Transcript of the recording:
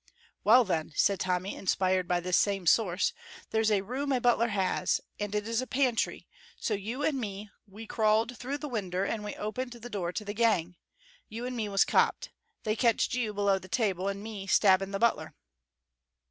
"Well, then," said Tommy, inspired by this same source, "there's a room a butler has, and it is a pantry, so you and me we crawled through the winder and we opened the door to the gang. You and me was copped. They catched you below the table and me stabbing the butler."